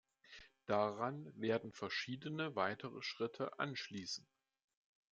Daran werden verschiedene weitere Schritte anschließen.